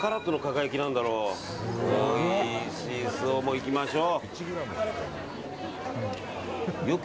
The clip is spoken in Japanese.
行きましょう。